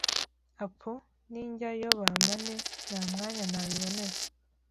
Apu! Ninjyayo bampane nta mwanya nabibonera!